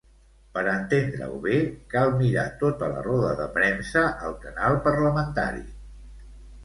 Per entendre-ho bé, cal mirar tota la roda de premsa al canal parlamentari.